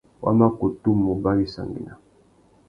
Wa mà kutu mù uba wissangüena.